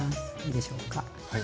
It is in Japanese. いいでしょうか。